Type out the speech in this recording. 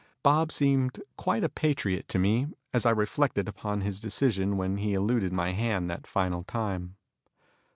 Bob seemed quite a patriot to me, as I reflected upon his decision when he eluded my hand that final time.